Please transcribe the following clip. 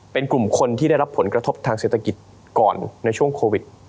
เป็นกลุ่มคนที่ได้รับผลกระทบทางเศรษฐกิจก่อนในช่วงโควิด